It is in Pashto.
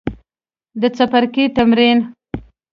د څپرکي تمرین